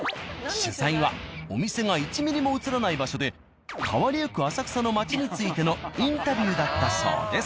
取材はお店が１ミリも映らない場所で変わりゆく浅草の街についてのインタビューだったそうです。